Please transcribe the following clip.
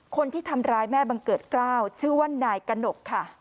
คนที่ทำร้ายแม่บังเกิดกล้าวชื่อว่านายกระหนกค่ะ